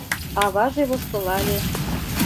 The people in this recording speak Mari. Аваже воштылале: